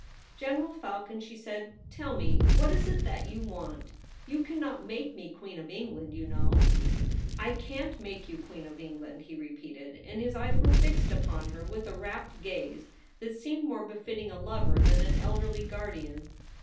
' General Falcon,' she said, ' tell me, what is it that you want } You cannot make me Queen of England, you know.' * I can't make you Queen of England,' he repeated ; and his eyes were fixed upon her with a rapt gaze that seemed more befitting a lover than an elderly guardian.